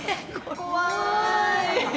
怖い。